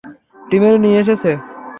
টিমের নিয়ে এসেছ।